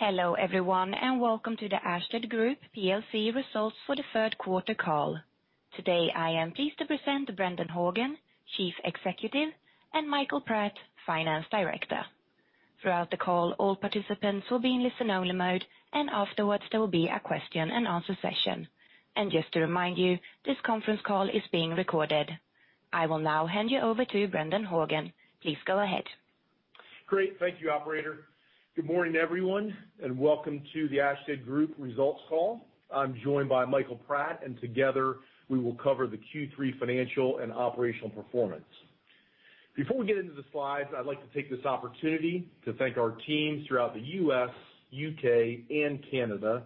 Hello, everyone, and welcome to the Ashtead Group plc results for the third quarter call. Today, I am pleased to present Brendan Horgan, Chief Executive, and Michael Pratt, Finance Director. Throughout the call, all participants will be in listen-only mode, and afterwards there will be a question and answer session. Just to remind you, this conference call is being recorded. I will now hand you over to Brendan Horgan. Please go ahead. Great. Thank you, operator. Good morning, everyone, welcome to the Ashtead Group results call. I'm joined by Michael Pratt, and together we will cover the Q3 financial and operational performance. Before we get into the slides, I'd like to take this opportunity to thank our teams throughout the U.S., U.K., and Canada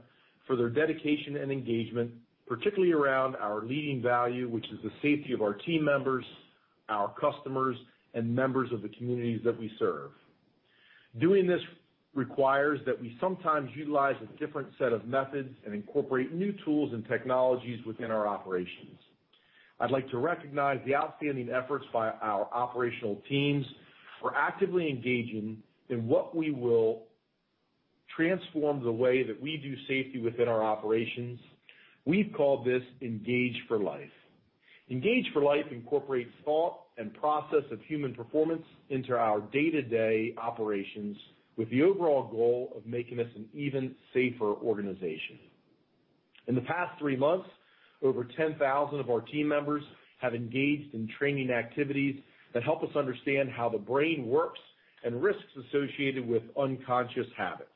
for their dedication and engagement, particularly around our leading value, which is the safety of our team members, our customers, and members of the communities that we serve. Doing this requires that we sometimes utilize a different set of methods and incorporate new tools and technologies within our operations. I'd like to recognize the outstanding efforts by our operational teams for actively engaging in what we will transform the way that we do safety within our operations. We've called this Engage for Life. Engage for Life incorporates thought and process of human performance into our day-to-day operations, with the overall goal of making us an even safer organization. In the past three months, over 10,000 of our team members have engaged in training activities that help us understand how the brain works and risks associated with unconscious habits.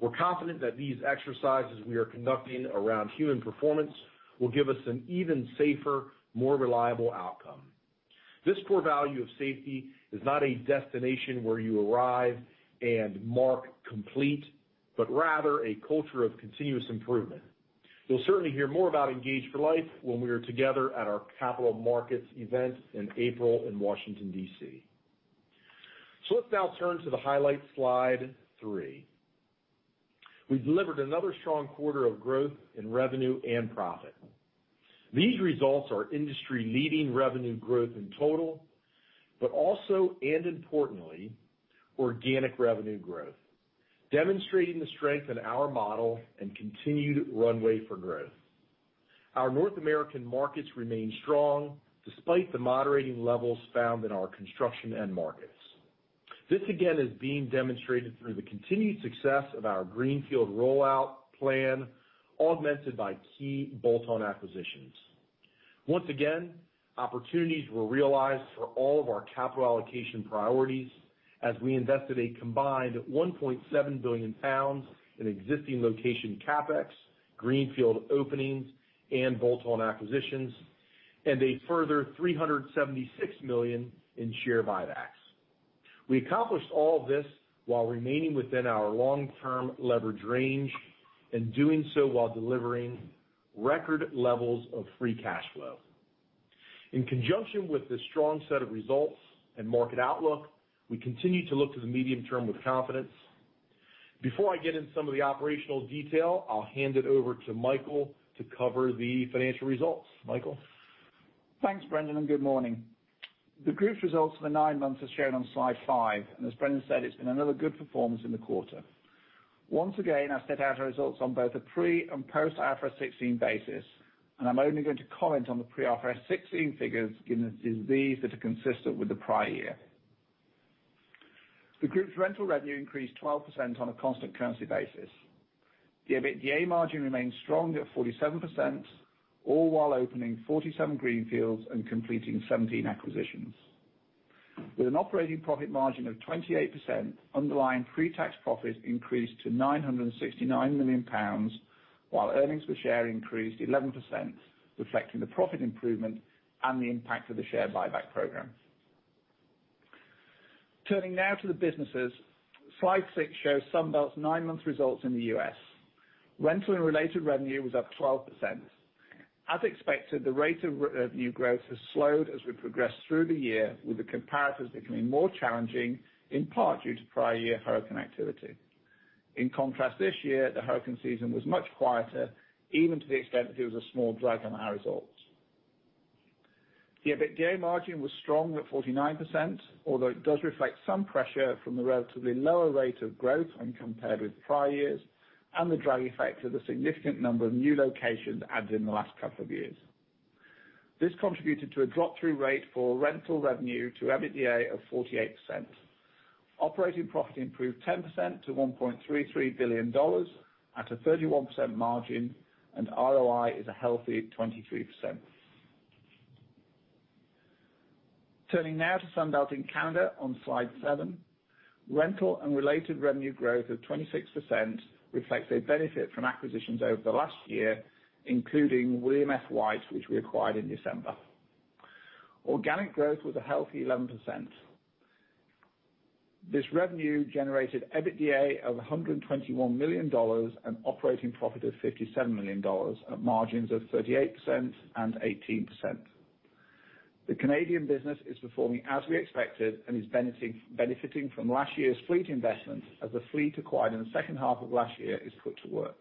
We're confident that these exercises we are conducting around human performance will give us an even safer, more reliable outcome. This core value of safety is not a destination where you arrive and mark complete, but rather a culture of continuous improvement. You'll certainly hear more about Engage for Life when we are together at our capital markets event in April in Washington, D.C. Let's now turn to the highlights, slide three. We've delivered another strong quarter of growth in revenue and profit. These results are industry-leading revenue growth in total, also, and importantly, organic revenue growth, demonstrating the strength in our model and continued runway for growth. Our North American markets remain strong despite the moderating levels found in our construction end markets. This again is being demonstrated through the continued success of our greenfield rollout plan, augmented by key bolt-on acquisitions. Once again, opportunities were realized for all of our capital allocation priorities as we invested a combined 1.7 billion pounds in existing location CapEx, greenfield openings, and bolt-on acquisitions, and a further 376 million in share buybacks. We accomplished all this while remaining within our long-term leverage range and doing so while delivering record levels of free cash flow. In conjunction with this strong set of results and market outlook, we continue to look to the medium term with confidence. Before I get in some of the operational detail, I'll hand it over to Michael to cover the financial results. Michael? Thanks, Brendan, and good morning. The group's results for the nine months as shown on slide five. As Brendan said, it's been another good performance in the quarter. Once again, I set out our results on both a pre- and post-IFRS 16 basis, and I'm only going to comment on the pre-IFRS 16 figures, given it is these that are consistent with the prior year. The group's rental revenue increased 12% on a constant currency basis. The EBITDA margin remains strong at 47%, all while opening 47 greenfields and completing 17 acquisitions. With an operating profit margin of 28%, underlying pre-tax profits increased to 969 million pounds, while earnings per share increased 11%, reflecting the profit improvement and the impact of the share buyback program. Turning now to the businesses. Slide six shows Sunbelt's nine-month results in the U.S. Rental and related revenue was up 12%. As expected, the rate of revenue growth has slowed as we progress through the year, with the comparators becoming more challenging, in part due to prior year hurricane activity. In contrast, this year, the hurricane season was much quieter, even to the extent that it was a small drag on our results. The EBITDA margin was strong at 49%, although it does reflect some pressure from the relatively lower rate of growth when compared with prior years and the drag effect of the significant number of new locations added in the last couple of years. This contributed to a drop-through rate for rental revenue to EBITDA of 48%. Operating profit improved 10% to $1.33 billion at a 31% margin, and ROI is a healthy 23%. Turning now to Sunbelt in Canada on slide seven. Rental and related revenue growth of 26% reflects a benefit from acquisitions over the last year, including William F. White, which we acquired in December. Organic growth was a healthy 11%. This revenue generated EBITDA of GBP 121 million and operating profit of GBP 57 million at margins of 38% and 18%. The Canadian business is performing as we expected and is benefiting from last year's fleet investments as the fleet acquired in the second half of last year is put to work.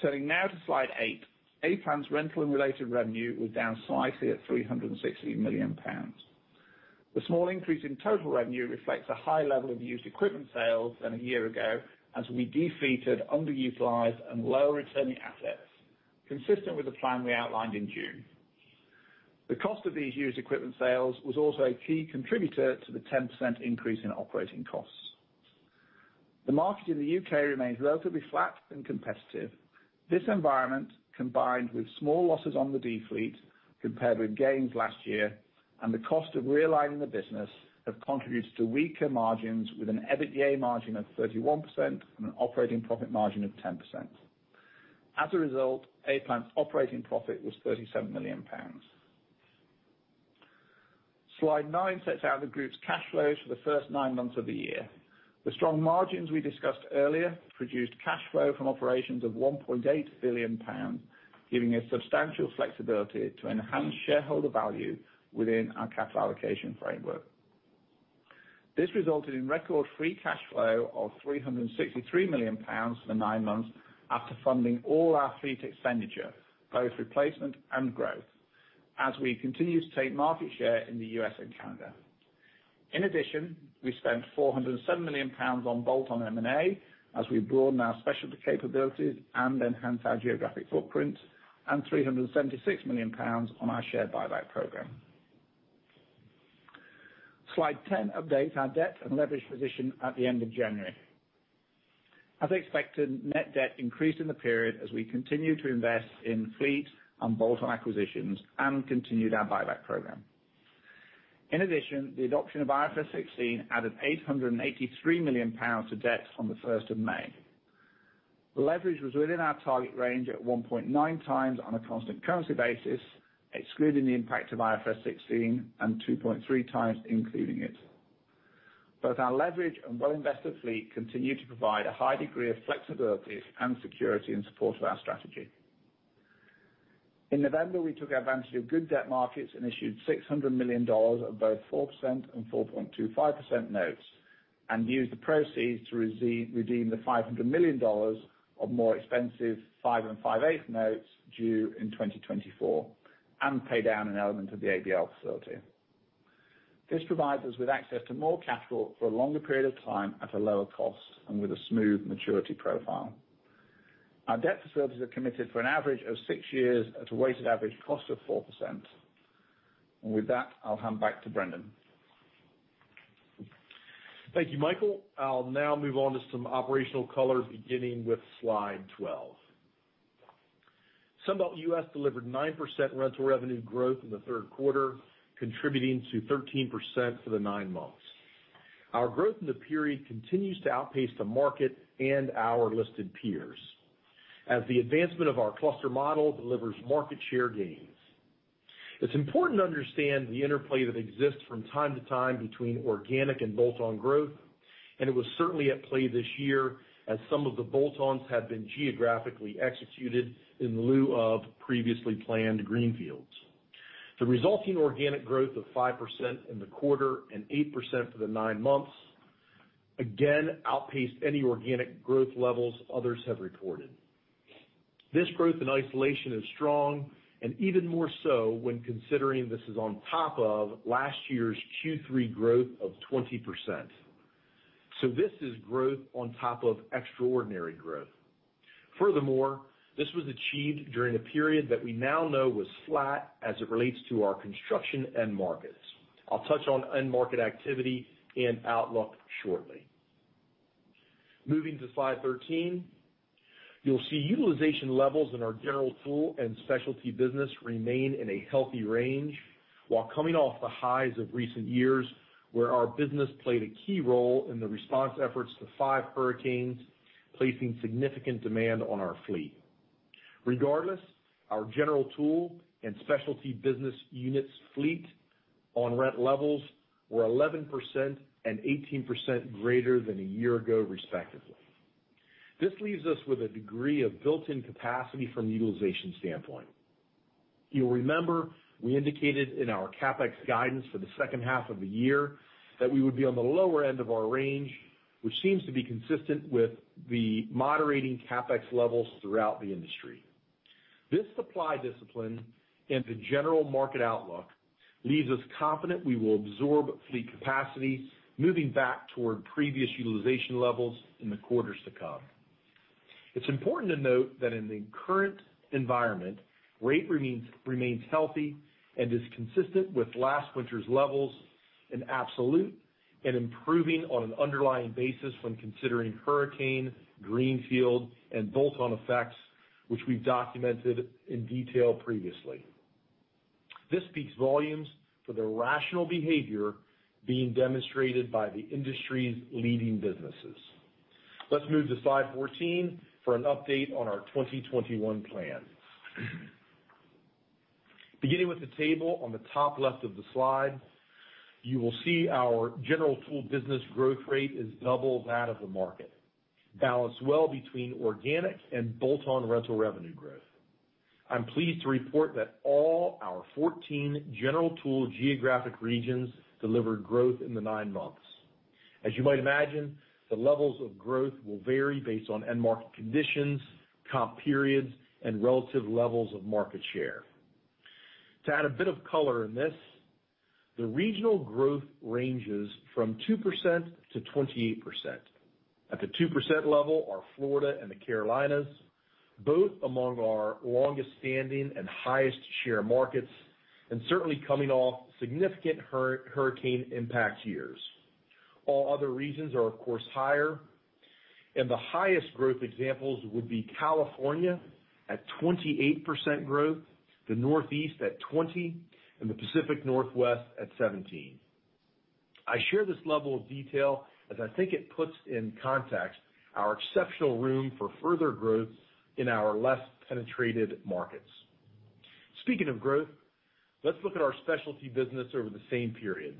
Turning now to Slide eight. A-Plant's rental and related revenue was down slightly at 360 million pounds. The small increase in total revenue reflects a high level of used equipment sales than a year ago, as we defleeted underutilized and low-returning assets, consistent with the plan we outlined in June. The cost of these used equipment sales was also a key contributor to the 10% increase in operating costs. The market in the U.K. remains relatively flat and competitive. This environment, combined with small losses on the defleet compared with gains last year, and the cost of realigning the business, have contributed to weaker margins with an EBITDA margin of 31% and an operating profit margin of 10%. As a result, A-Plant's operating profit was 37 million pounds. Slide nine sets out the group's cash flows for the first nine months of the year. The strong margins we discussed earlier produced cash flow from operations of 1.8 billion pounds, giving it substantial flexibility to enhance shareholder value within our capital allocation framework. This resulted in record free cash flow of 363 million pounds for nine months after funding all our fleet expenditure, both replacement and growth, as we continue to take market share in the U.S. and Canada. In addition, we spent 407 million pounds on bolt-on M&A as we broaden our specialty capabilities and enhance our geographic footprint, and 376 million pounds on our share buyback program. Slide 10 updates our debt and leverage position at the end of January. As expected, net debt increased in the period as we continued to invest in fleet and bolt-on acquisitions and continued our buyback program. In addition, the adoption of IFRS 16 added 883 million pounds to debt on the 1st of May. The leverage was within our target range at 1.9x on a constant currency basis, excluding the impact of IFRS 16 and 2.3x including it. Both our leverage and well-invested fleet continue to provide a high degree of flexibility and security in support of our strategy. In November, we took advantage of good debt markets and issued $600 million of both 4% and 4.25% notes, and used the proceeds to redeem the $500 million of more expensive five and five-eighth notes due in 2024 and pay down an element of the ABL facility. This provides us with access to more capital for a longer period of time at a lower cost and with a smooth maturity profile. Our debt facilities are committed for an average of six years at a weighted average cost of 4%. With that, I'll hand back to Brendan. Thank you, Michael. I'll now move on to some operational color, beginning with slide 12. Sunbelt U.S. delivered 9% rental revenue growth in the third quarter, contributing to 13% for the nine months. Our growth in the period continues to outpace the market and our listed peers. The advancement of our cluster model delivers market share gains. It's important to understand the interplay that exists from time to time between organic and bolt-on growth, and it was certainly at play this year as some of the bolt-ons have been geographically executed in lieu of previously planned greenfields. The resulting organic growth of 5% in the quarter and 8% for the nine months again outpaced any organic growth levels others have reported. This growth in isolation is strong and even more so when considering this is on top of last year's Q3 growth of 20%. This is growth on top of extraordinary growth. Furthermore, this was achieved during the period that we now know was flat as it relates to our construction end markets. I'll touch on end market activity and outlook shortly. Moving to slide 13, you'll see utilization levels in our general tool and specialty business remain in a healthy range while coming off the highs of recent years, where our business played a key role in the response efforts to five hurricanes, placing significant demand on our fleet. Regardless, our general tool and specialty business units fleet on rent levels were 11% and 18% greater than a year ago, respectively. This leaves us with a degree of built-in capacity from utilization standpoint. You'll remember we indicated in our CapEx guidance for the second half of the year that we would be on the lower end of our range, which seems to be consistent with the moderating CapEx levels throughout the industry. This supply discipline and the general market outlook leaves us confident we will absorb fleet capacity, moving back toward previous utilization levels in the quarters to come. It's important to note that in the current environment, rate remains healthy and is consistent with last winter's levels in absolute and improving on an underlying basis when considering hurricane, greenfield, and bolt-on effects, which we've documented in detail previously. This speaks volumes for the rational behavior being demonstrated by the industry's leading businesses. Let's move to slide 14 for an update on our 2021 plan. Beginning with the table on the top left of the slide, you will see our general tool business growth rate is double that of the market, balanced well between organic and bolt-on rental revenue growth. I'm pleased to report that all our 14 general tool geographic regions delivered growth in the nine months. As you might imagine, the levels of growth will vary based on end market conditions, comp periods, and relative levels of market share. To add a bit of color in this, the regional growth ranges from 2%-28%. At the 2% level are Florida and the Carolinas, both among our longest standing and highest share markets, and certainly coming off significant hurricane impact years. All other regions are, of course, higher. The highest growth examples would be California at 28% growth, the Northeast at 20%, and the Pacific Northwest at 17%. I share this level of detail as I think it puts in context our exceptional room for further growth in our less penetrated markets. Speaking of growth, let's look at our specialty business over the same period.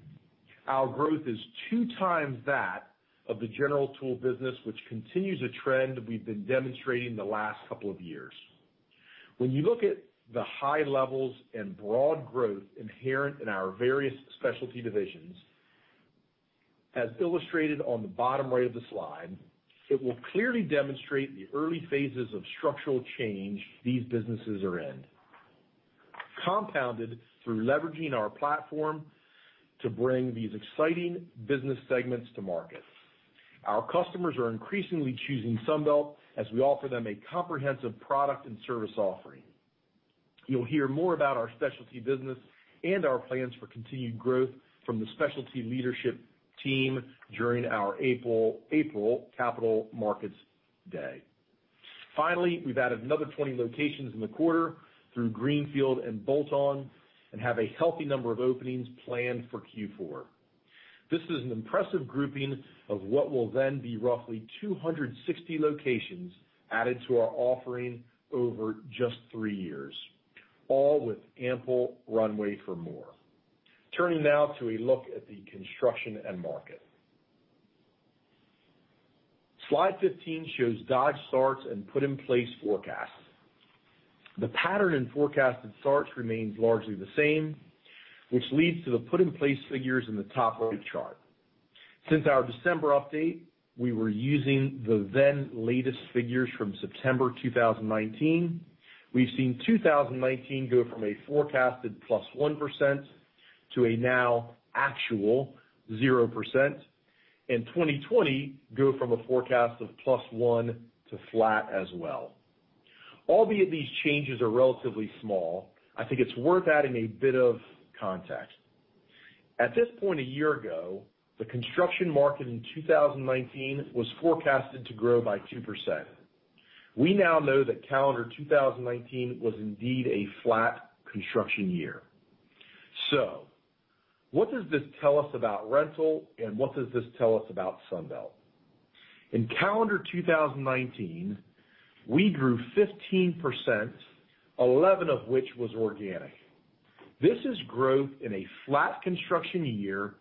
Our growth is 2x that of the general tool business, which continues a trend we've been demonstrating the last couple of years. When you look at the high levels and broad growth inherent in our various specialty divisions, as illustrated on the bottom right of the slide, it will clearly demonstrate the early phases of structural change these businesses are in, compounded through leveraging our platform to bring these exciting business segments to market. Our customers are increasingly choosing Sunbelt as we offer them a comprehensive product and service offering. You'll hear more about our specialty business and our plans for continued growth from the specialty leadership team during our April Capital Markets Day. Finally, we've added another 20 locations in the quarter through greenfield and bolt-on and have a healthy number of openings planned for Q4. This is an impressive grouping of what will then be roughly 260 locations added to our offering over just three years, all with ample runway for more. Turning now to a look at the construction end market. Slide 15 shows Dodge starts and put in place forecasts. The pattern in forecasted starts remains largely the same, which leads to the put in place figures in the top right chart. Since our December update, we were using the then latest figures from September 2019. We've seen 2019 go from a forecasted +1% to a now actual 0%, and 2020 go from a forecast of +1% to flat as well. Albeit these changes are relatively small, I think it's worth adding a bit of context. At this point a year ago, the construction market in 2019 was forecasted to grow by 2%. We now know that calendar 2019 was indeed a flat construction year. What does this tell us about rental and what does this tell us about Sunbelt? In calendar 2019, we grew 15%, 11 of which was organic. This is growth in a flat construction year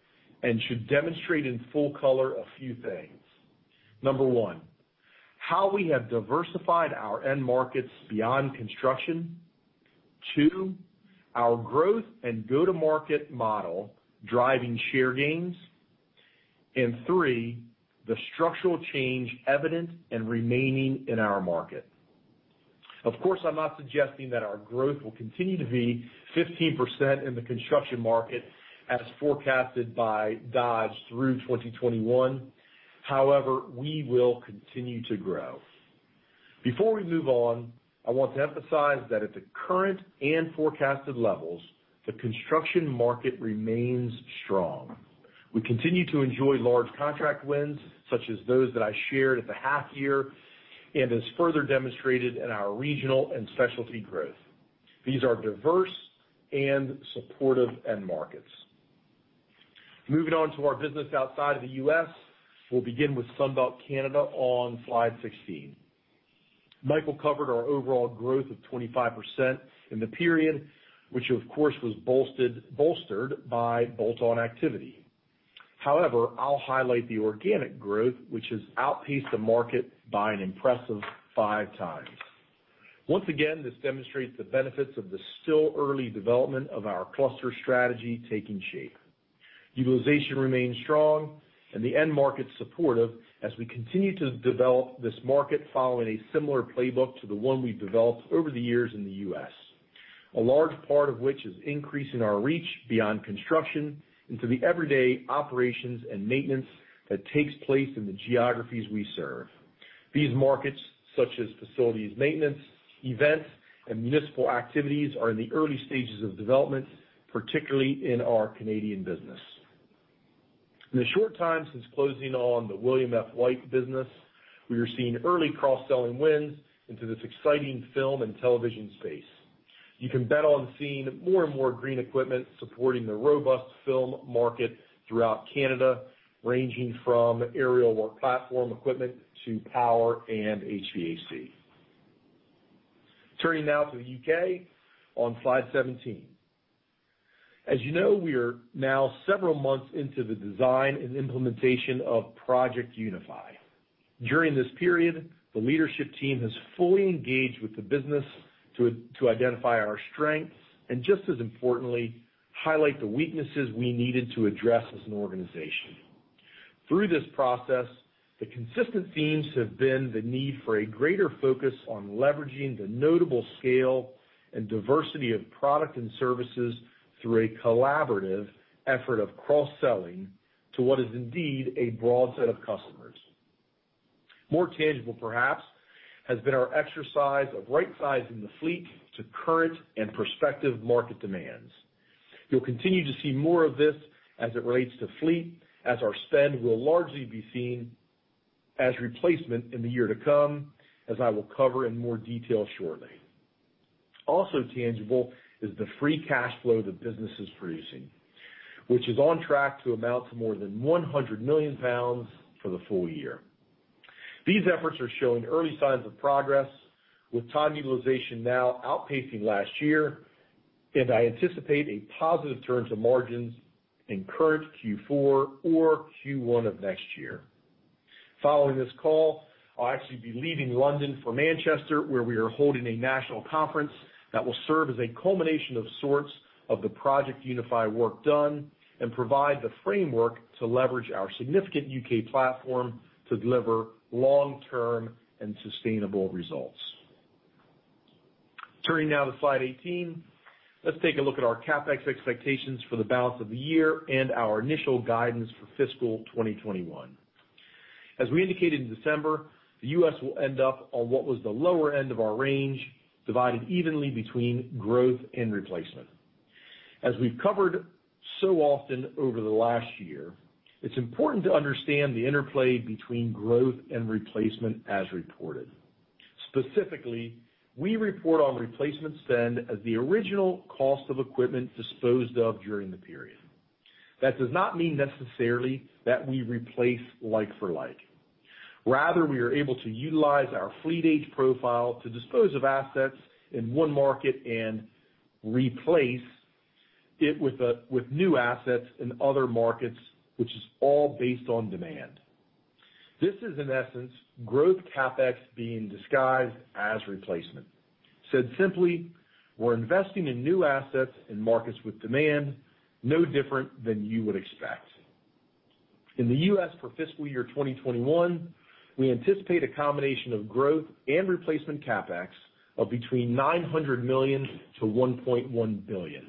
and should demonstrate in full color a few things. Number one, how we have diversified our end markets beyond construction. Two, our growth and go-to-market model driving share gains. Three, the structural change evident and remaining in our market. Of course, I'm not suggesting that our growth will continue to be 15% in the construction market as forecasted by Dodge through 2021. We will continue to grow. Before we move on, I want to emphasize that at the current and forecasted levels, the construction market remains strong. We continue to enjoy large contract wins, such as those that I shared at the half year and as further demonstrated in our regional and specialty growth. These are diverse and supportive end markets. Moving on to our business outside of the U.S. We'll begin with Sunbelt Canada on slide 16. Michael covered our overall growth of 25% in the period, which of course was bolstered by bolt-on activity. I'll highlight the organic growth, which has outpaced the market by an impressive five times. Once again, this demonstrates the benefits of the still early development of our cluster strategy taking shape. Utilization remains strong and the end market supportive as we continue to develop this market following a similar playbook to the one we've developed over the years in the U.S., a large part of which is increasing our reach beyond construction into the everyday operations and maintenance that takes place in the geographies we serve. These markets, such as facilities maintenance, events, and municipal activities are in the early stages of development, particularly in our Canadian business. In the short time since closing on the William F. White business, we are seeing early cross-selling wins into this exciting film and television space. You can bet on seeing more and more green equipment supporting the robust film market throughout Canada, ranging from aerial work platform equipment to power and HVAC. Turning now to the U.K. on slide 17. As you know, we are now several months into the design and implementation of Project Unify. During this period, the leadership team has fully engaged with the business to identify our strengths and just as importantly, highlight the weaknesses we needed to address as an organization. Through this process, the consistent themes have been the need for a greater focus on leveraging the notable scale and diversity of product and services through a collaborative effort of cross-selling to what is indeed a broad set of customers. More tangible, perhaps, has been our exercise of right-sizing the fleet to current and prospective market demands. You'll continue to see more of this as it relates to fleet, as our spend will largely be seen as replacement in the year to come, as I will cover in more detail shortly. Also tangible is the free cash flow the business is producing, which is on track to amount to more than 100 million pounds for the full year. These efforts are showing early signs of progress, with time utilization now outpacing last year, and I anticipate a positive turn to margins in current Q4 or Q1 of next year. Following this call, I'll actually be leaving London for Manchester, where we are holding a national conference that will serve as a culmination of sorts of the Project Unify work done and provide the framework to leverage our significant U.K. platform to deliver long-term and sustainable results. Turning now to slide 18, let's take a look at our CapEx expectations for the balance of the year and our initial guidance for fiscal 2021. As we indicated in December, the U.S. will end up on what was the lower end of our range, divided evenly between growth and replacement. As we've covered so often over the last year, it's important to understand the interplay between growth and replacement as reported. Specifically, we report on replacement spend as the original cost of equipment disposed of during the period. That does not mean necessarily that we replace like for like. Rather, we are able to utilize our fleet age profile to dispose of assets in one market and replace it with new assets in other markets, which is all based on demand. This is, in essence, growth CapEx being disguised as replacement. Said simply, we're investing in new assets in markets with demand, no different than you would expect. In the U.S. for fiscal year 2021, we anticipate a combination of growth and replacement CapEx of between 900 million-1.1 billion.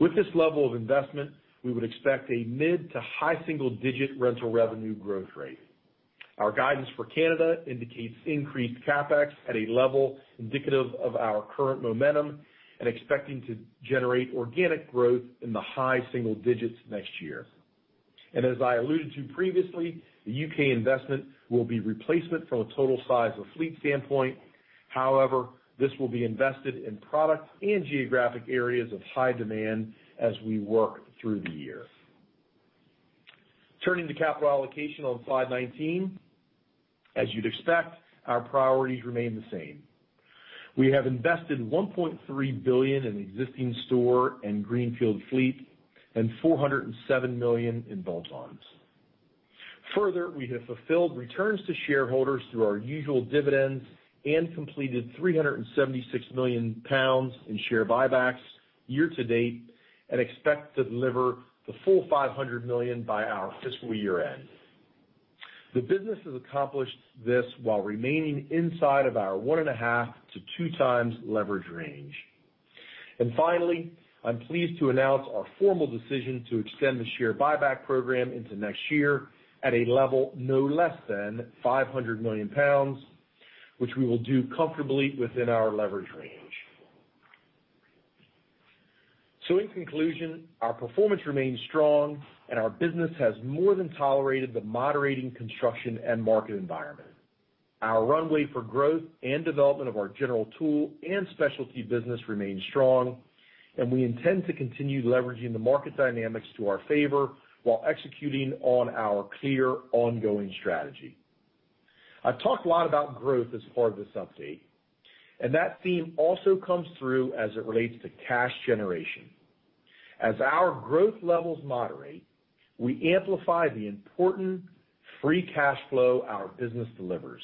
With this level of investment, we would expect a mid to high single-digit rental revenue growth rate. Our guidance for Canada indicates increased CapEx at a level indicative of our current momentum and expecting to generate organic growth in the high single digits next year. As I alluded to previously, the U.K. investment will be replacement from a total size of fleet standpoint. However, this will be invested in product and geographic areas of high demand as we work through the year. Turning to capital allocation on slide 19. As you'd expect, our priorities remain the same. We have invested 1.3 billion in existing store and greenfield fleet and 407 million in bolt-ons. We have fulfilled returns to shareholders through our usual dividends and completed 376 million pounds in share buybacks year to date and expect to deliver the full 500 million by our fiscal year end. The business has accomplished this while remaining inside of our 1.5-2x leverage range. I'm pleased to announce our formal decision to extend the share buyback program into next year at a level no less than 500 million pounds, which we will do comfortably within our leverage range. In conclusion, our performance remains strong and our business has more than tolerated the moderating construction and market environment. Our runway for growth and development of our general tool and specialty business remains strong, and we intend to continue leveraging the market dynamics to our favor while executing on our clear ongoing strategy. I've talked a lot about growth as part of this update. That theme also comes through as it relates to cash generation. As our growth levels moderate, we amplify the important free cash flow our business delivers.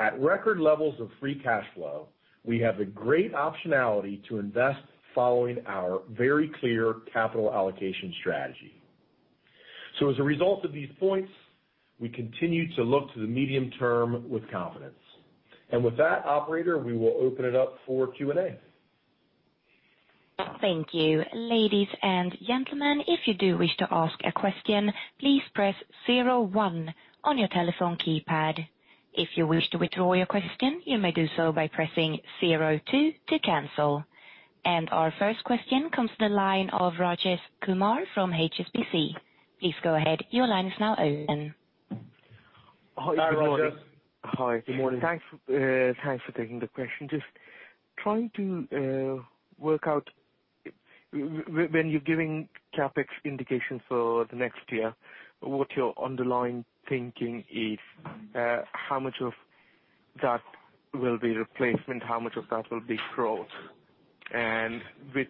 At record levels of free cash flow, we have the great optionality to invest following our very clear capital allocation strategy. As a result of these points, we continue to look to the medium term with confidence. With that, operator, we will open it up for Q&A. Thank you. Ladies and gentlemen, if you do wish to ask a question, please press zero one on your telephone keypad. If you wish to withdraw your question, you may do so by pressing zero two to cancel. Our first question comes to the line of Rajesh Kumar from HSBC. Please go ahead. Your line is now open. Hi, Rajesh. Hi. Good morning. Thanks for taking the question. Just trying to work out when you're giving CapEx indications for the next year, what your underlying thinking is. How much of that will be replacement, how much of that will be growth? Which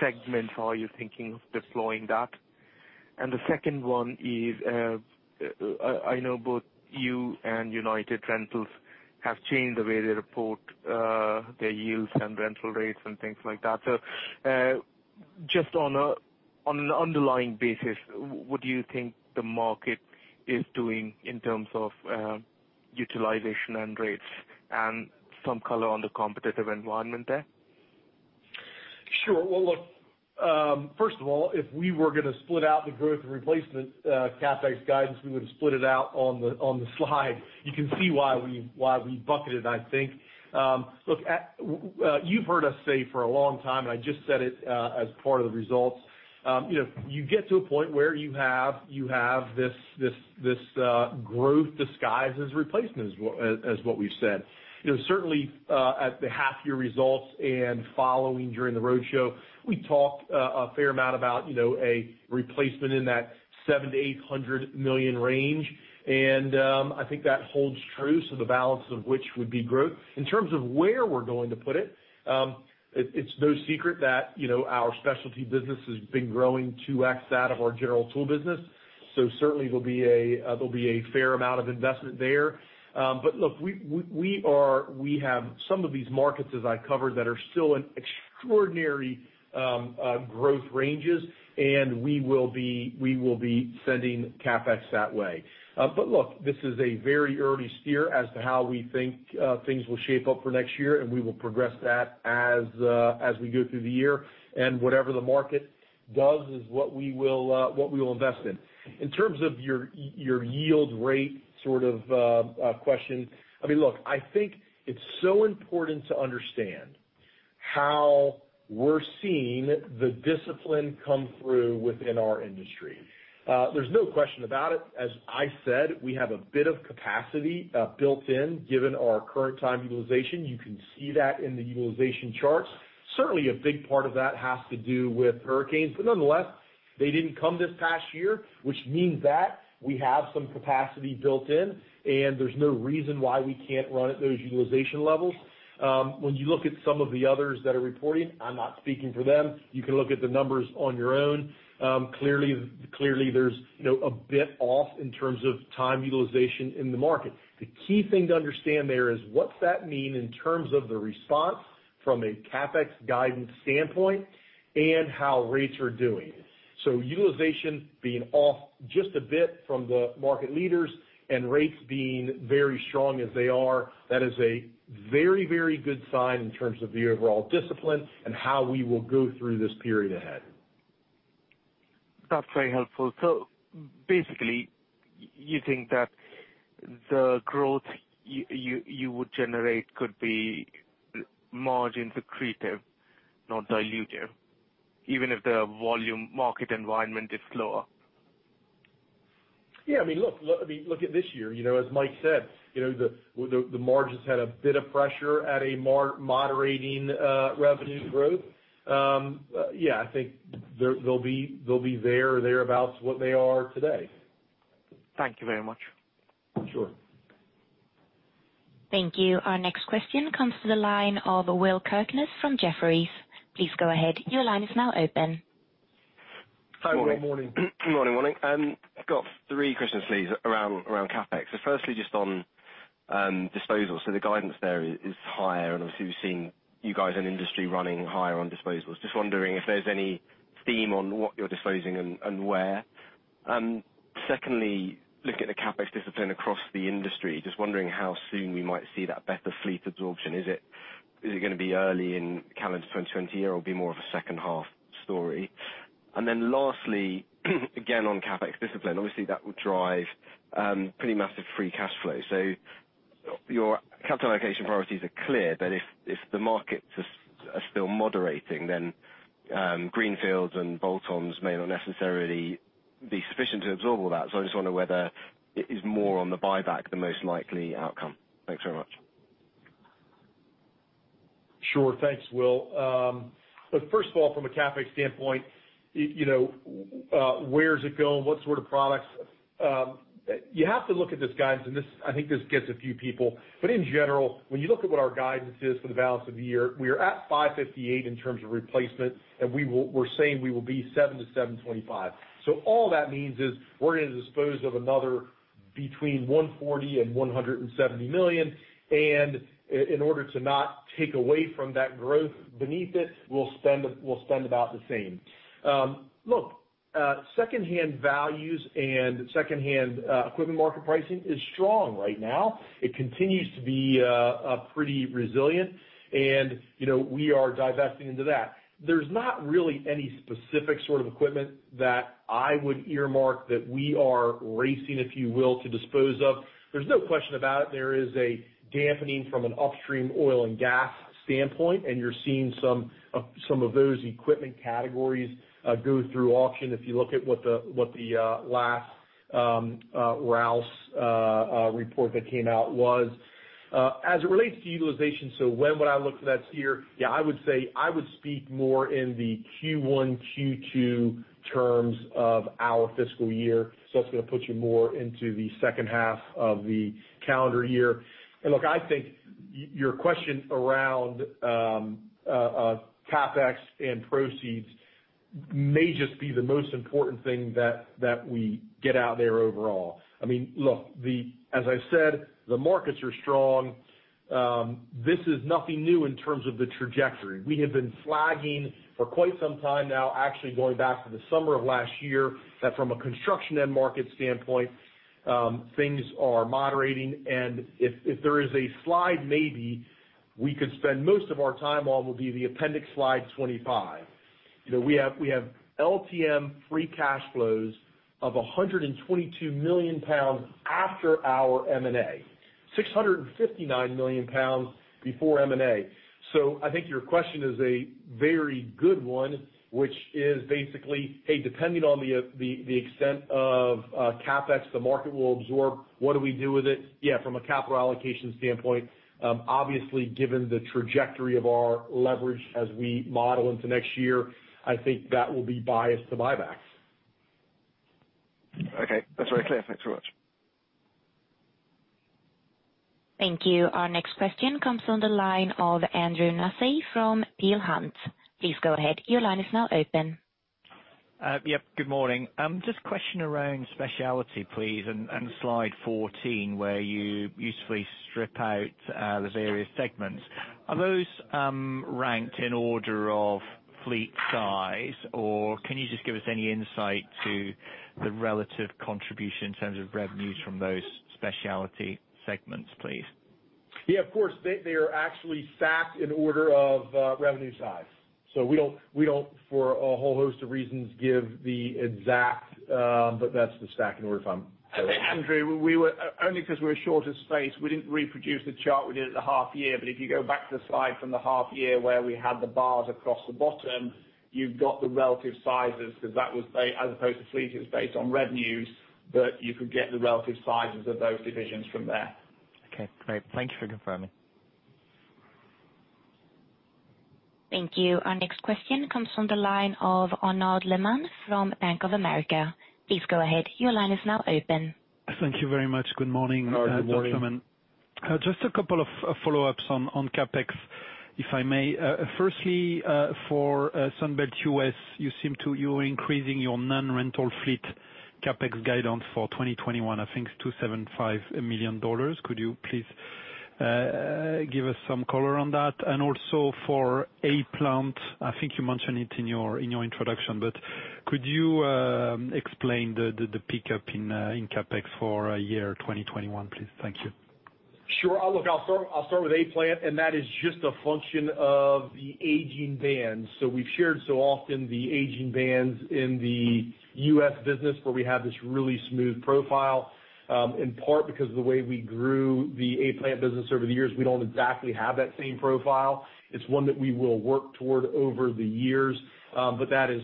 segment are you thinking of deploying that? The second one is, I know both you and United Rentals have changed the way they report their yields and rental rates and things like that. Just on an underlying basis, what do you think the market is doing in terms of utilization and rates, and some color on the competitive environment there? Sure. Well, look, first of all, if we were going to split out the growth and replacement CapEx guidance, we would have split it out on the slide. You can see why we bucketed it, I think. Look, you've heard us say for a long time, and I just said it as part of the results. You get to a point where you have this growth disguised as replacement, as what we've said. Certainly at the half year results and following during the roadshow, we talked a fair amount about a replacement in that 700 million-800 million range, and I think that holds true. The balance of which would be growth. In terms of where we're going to put it's no secret that our specialty business has been growing 2x that of our general tool business. Certainly there'll be a fair amount of investment there. Look, we have some of these markets as I covered that are still in extraordinary growth ranges, and we will be sending CapEx that way. Look, this is a very early steer as to how we think things will shape up for next year, and we will progress that as we go through the year. Whatever the market does is what we will invest in. In terms of your yield rate sort of question. Look, I think it's so important to understand how we're seeing the discipline come through within our industry. There's no question about it. As I said, we have a bit of capacity built in given our current time utilization. You can see that in the utilization charts. Certainly a big part of that has to do with hurricanes. Nonetheless, they didn't come this past year, which means that we have some capacity built in, and there's no reason why we can't run at those utilization levels. When you look at some of the others that are reporting, I'm not speaking for them. You can look at the numbers on your own. Clearly there's a bit off in terms of time utilization in the market. The key thing to understand there is what's that mean in terms of the response from a CapEx guidance standpoint and how rates are doing. Utilization being off just a bit from the market leaders and rates being very strong as they are, that is a very good sign in terms of the overall discipline and how we will go through this period ahead. Basically you think that the growth you would generate could be margin accretive, not dilutive, even if the volume market environment is slower? Look at this year, as Mike said, the margins had a bit of pressure at a moderating revenue growth. I think they'll be there or thereabouts what they are today. Thank you very much. Sure. Thank you. Our next question comes to the line of Will Kirkness from Jefferies. Please go ahead. Your line is now open. Hi, good morning. Morning. I've got three questions, please, around CapEx. Firstly, just on disposals. The guidance there is higher, and obviously we've seen you guys in the industry running higher on disposals. Just wondering if there's any theme on what you're disposing and where. Secondly, looking at the CapEx discipline across the industry. Just wondering how soon we might see that better fleet absorption. Is it going to be early in calendar 2020 or be more of a second half story? Lastly, again on CapEx discipline, obviously that will drive pretty massive free cash flow. Your capital allocation priorities are clear, but if the markets are still moderating, then greenfields and bolt-ons may not necessarily be sufficient to absorb all that. I just wonder whether it is more on the buyback, the most likely outcome. Thanks very much. Sure. Thanks, Will. First of all, from a CapEx standpoint, where's it going? What sort of products? You have to look at this guidance, and I think this gets a few people. In general, when you look at what our guidance is for the balance of the year, we are at 558 in terms of replacement, and we're saying we will be 7-725. All that means is we're going to dispose of another between 140 million and 170 million, and in order to not take away from that growth beneath it, we'll spend about the same. Secondhand values and secondhand equipment market pricing is strong right now. It continues to be pretty resilient, and we are divesting into that. There's not really any specific sort of equipment that I would earmark that we are racing, if you will, to dispose of. There's no question about it. There is a dampening from an upstream oil and gas standpoint, and you are seeing some of those equipment categories go through auction, if you look at what the last Rouse Report that came out was. As it relates to utilization, when would I look for that steer? Yeah, I would say I would speak more in the Q1, Q2 terms of our fiscal year. That's going to put you more into the second half of the calendar year. Look, I think your question around CapEx and proceeds may just be the most important thing that we get out there overall. Look, as I said, the markets are strong. This is nothing new in terms of the trajectory. We have been flagging for quite some time now, actually going back to the summer of last year, that from a construction end market standpoint, things are moderating. If there is a slide maybe we could spend most of our time on, will be the appendix slide 25. We have LTM free cash flows of 122 million pounds after our M&A. 659 million pounds before M&A. I think your question is a very good one, which is basically, hey, depending on the extent of CapEx, the market will absorb, what do we do with it? Yeah, from a capital allocation standpoint, obviously, given the trajectory of our leverage as we model into next year, I think that will be biased to buybacks. Okay. That's very clear. Thanks very much. Thank you. Our next question comes from the line of Andrew Nussey from Peel Hunt. Please go ahead. Your line is now open. Yep. Good morning. Just a question around specialty, please, and slide 14, where you usefully strip out the various segments. Are those ranked in order of fleet size, or can you just give us any insight to the relative contribution in terms of revenues from those specialty segments, please? Yeah, of course. They are actually stacked in order of revenue size. We don't, for a whole host of reasons, give the exact, but that's the stack in order if I'm- Andrew, only because we're short of space, we didn't reproduce the chart we did at the half year, but if you go back to the slide from the half year where we had the bars across the bottom, you've got the relative sizes because that was based as opposed to fleet, it was based on revenues, but you could get the relative sizes of those divisions from there. Okay, great. Thank you for confirming. Thank you. Our next question comes from the line of Arnaud Lehmann from Bank of America. Please go ahead. Your line is now open. Thank you very much. Good morning. Arnaud, good morning. Just a couple of follow-ups on CapEx, if I may. Firstly, for Sunbelt Rentals, you're increasing your non-rental fleet CapEx guidance for 2021. I think it's $275 million. Could you please give us some color on that? Also for A-Plant, I think you mentioned it in your introduction, but could you explain the pickup in CapEx for year 2021, please? Thank you. Sure. Look, I'll start with A-Plant, and that is just a function of the aging vans. We've shared so often the aging vans in the U.S. business where we have this really smooth profile. In part because of the way we grew the A-Plant business over the years, we don't exactly have that same profile. It's one that we will work toward over the years. That is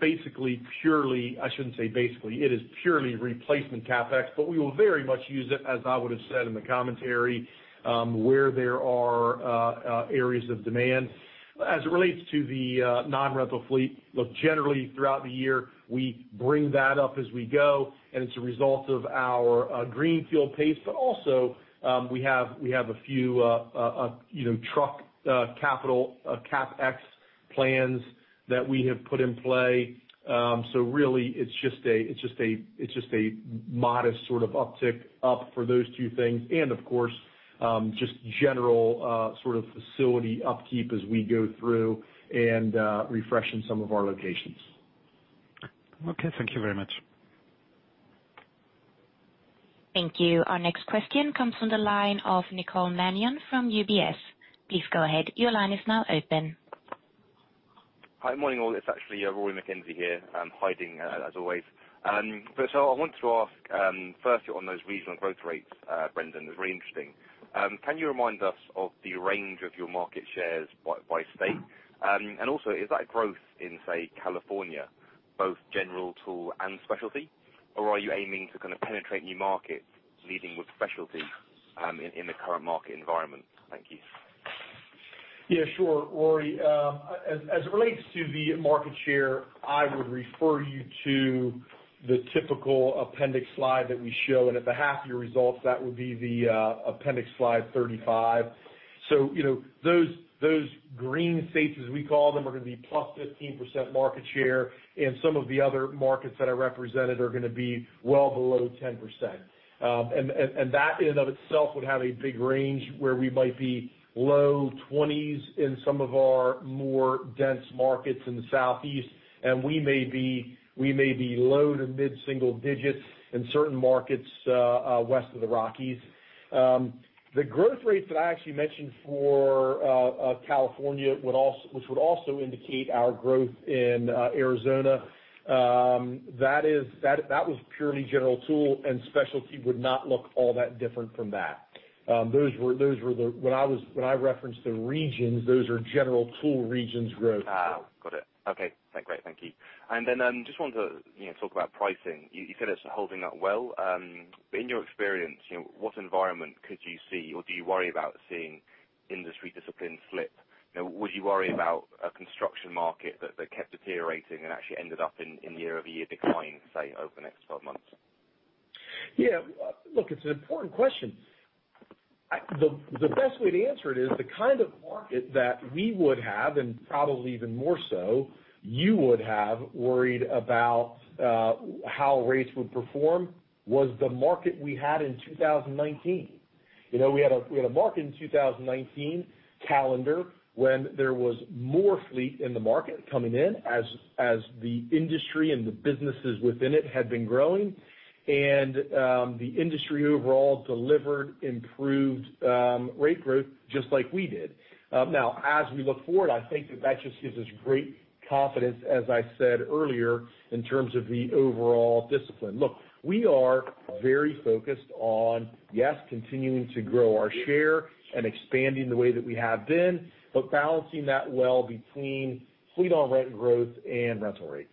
basically purely, I shouldn't say basically, it is purely replacement CapEx, but we will very much use it, as I would've said in the commentary, where there are areas of demand. As it relates to the non-rental fleet, look, generally throughout the year, we bring that up as we go, and it's a result of our greenfield pace. Also, we have a few truck capital CapEx plans that we have put in play. Really, it's just a modest sort of uptick up for those two things and, of course, just general sort of facility upkeep as we go through and refreshing some of our locations. Okay. Thank you very much. Thank you. Our next question comes from the line of Nicole Manion from UBS. Please go ahead. Your line is now open. Hi, morning all. It's actually Rory McKenzie here, hiding as always. I want to ask, firstly on those regional growth rates, Brendan, it was really interesting. Can you remind us of the range of your market shares by state? Also, is that growth in, say, California, both general tool and specialty? Are you aiming to kind of penetrate new markets leading with specialty in the current market environment? Thank you. Yeah, sure, Rory. As it relates to the market share, I would refer you to the typical appendix slide that we show. At the half year results, that would be the appendix slide 35. Those green states, as we call them, are going to be +15% market share, and some of the other markets that I represented are going to be well below 10%. That in and of itself would have a big range where we might be low 20s in some of our more dense markets in the Southeast, and we may be low to mid-single digits in certain markets west of the Rockies. The growth rates that I actually mentioned for California, which would also indicate our growth in Arizona, that was purely general tool and specialty would not look all that different from that. When I referenced the regions, those are general tool regions growth. Oh, got it. Okay. Great. Thank you. Then just want to talk about pricing. You said it's holding up well. In your experience, what environment could you see, or do you worry about seeing industry discipline slip? Would you worry about a construction market that kept deteriorating and actually ended up in year-over-year decline, say, over the next 12 months? Yeah. Look, it's an important question. The best way to answer it is the kind of market that we would have, and probably even more so, you would have worried about how rates would perform was the market we had in 2019. We had a market in 2019 calendar when there was more fleet in the market coming in as the industry and the businesses within it had been growing, and the industry overall delivered improved rate growth just like we did. As we look forward, I think that just gives us great confidence, as I said earlier, in terms of the overall discipline. Look, we are very focused on, yes, continuing to grow our share and expanding the way that we have been, but balancing that well between fleet on rent growth and rental rates.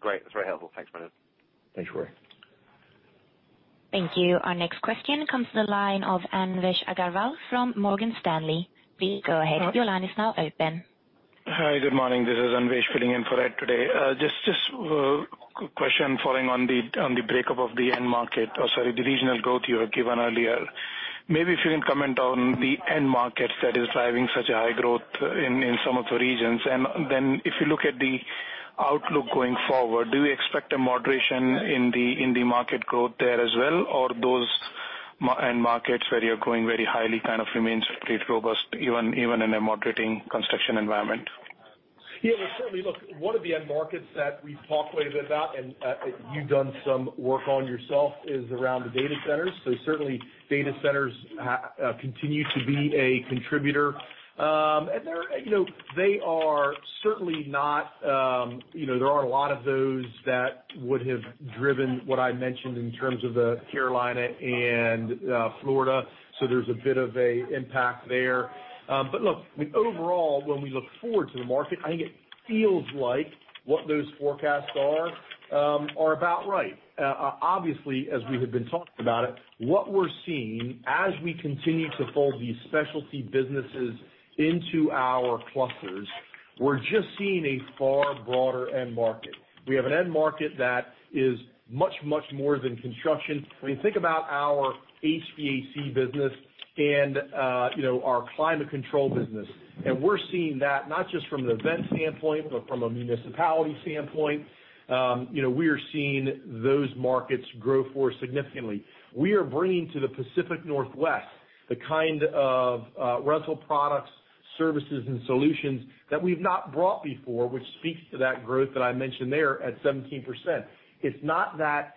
Great. That's very helpful. Thanks, Brendan. Thanks, Rory. Thank you. Our next question comes to the line of Anvesh Agrawal from Morgan Stanley. Please go ahead. Your line is now open. Hi. Good morning. This is Anvesh filling in for Ed today. Just a question following on the breakup of the end market, the regional growth you had given earlier. Maybe if you can comment on the end market that is driving such a high growth in some of the regions. Then if you look at the outlook going forward, do you expect a moderation in the market growth there as well, or those end markets where you're growing very highly kind of remains pretty robust, even in a moderating construction environment? Yeah. Well, certainly. Look, one of the end markets that we've talked quite a bit about, and you've done some work on yourself, is around the data centers. Certainly, data centers continue to be a contributor. There aren't a lot of those that would have driven what I mentioned in terms of the Carolina and Florida. There's a bit of a impact there. Look, overall, when we look forward to the market, I think it feels like what those forecasts are about right. Obviously, as we have been talking about it, what we're seeing as we continue to fold these specialty businesses into our clusters, we're just seeing a far broader end market. We have an end market that is much, much more than construction. When you think about our HVAC business and our climate control business, and we're seeing that not just from an event standpoint, but from a municipality standpoint. We are seeing those markets grow for us significantly. We are bringing to the Pacific Northwest the kind of rental products, services, and solutions that we've not brought before, which speaks to that growth that I mentioned there at 17%. It's not that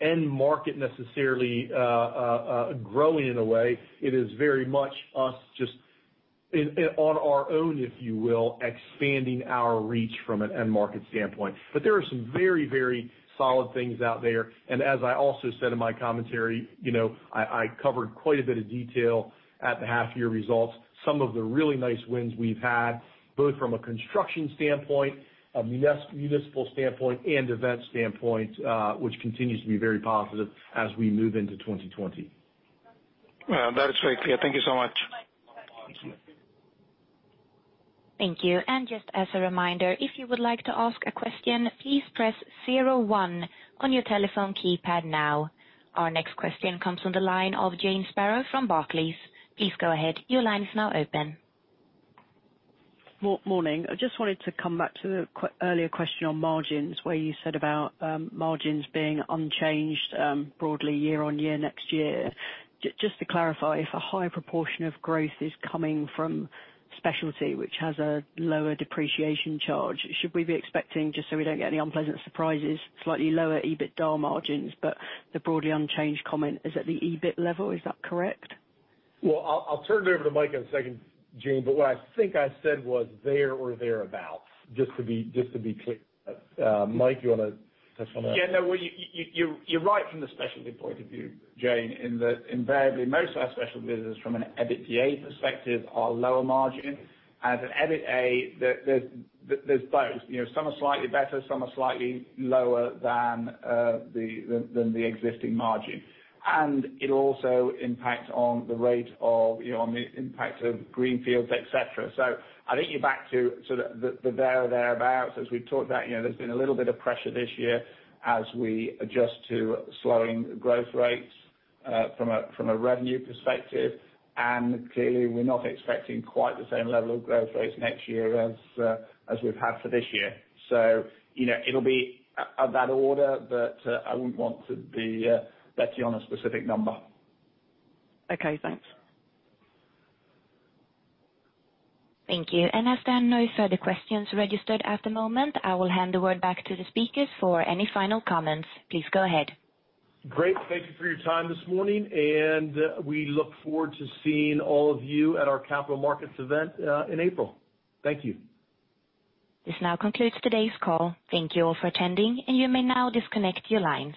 end market necessarily growing in a way. It is very much us just on our own, if you will, expanding our reach from an end market standpoint. But there are some very, very solid things out there. And as I also said in my commentary, I covered quite a bit of detail at the half year results. Some of the really nice wins we've had, both from a construction standpoint, a municipal standpoint, and event standpoint, which continues to be very positive as we move into 2020. That is very clear. Thank you so much. Thank you. And just as a reminder, if you would like to ask a question, please press zero one on your telephone keypad now. Our next question comes from the line of Jane Spiro from Barclays. Please go ahead. Your line is now open. Morning. I just wanted to come back to the earlier question on margins where you said about margins being unchanged broadly year-over-year next year. Just to clarify, if a higher proportion of growth is coming from specialty, which has a lower depreciation charge, should we be expecting, just so we don't get any unpleasant surprises, slightly lower EBITDA margins, but the broadly unchanged comment is at the EBIT level, is that correct? Well, I'll turn it over to Mike in a second, Jane, but what I think I said was there or thereabout, just to be clear. Mike, you want to touch on that? Yeah, you're right from the specialty point of view, Jayne, in that invariably most of our specialty business from an EBITDA perspective are lower margin. At EBIT, there's both. Some are slightly better, some are slightly lower than the existing margin. It also impacts on the rate of the impact of greenfields, et cetera. I think you're back to the there or thereabouts. As we've talked about, there's been a little bit of pressure this year as we adjust to slowing growth rates from a revenue perspective. Clearly, we're not expecting quite the same level of growth rates next year as we've had for this year. It'll be of that order, but I wouldn't want to be betting on a specific number. Okay, thanks. Thank you. As there are no further questions registered at the moment, I will hand the word back to the speakers for any final comments. Please go ahead. Great. Thank you for your time this morning, and we look forward to seeing all of you at our capital markets event in April. Thank you. This now concludes today's call. Thank you all for attending, and you may now disconnect your lines.